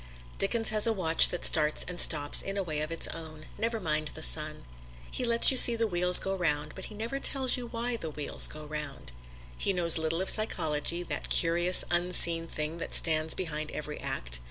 Dickens has a watch that starts and stops in a way of its own never mind the sun. He lets you see the wheels go round, but he never tells you why the wheels go round. He knows little of psychology that curious, unseen thing that stands behind every act.